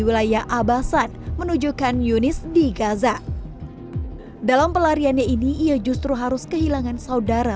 wilayah abasan menuju kan yunis di gaza dalam pelariannya ini ia justru harus kehilangan saudara